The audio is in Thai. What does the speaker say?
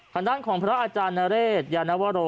ฐะด้านของพระอาจารย์นเรสยาณวโล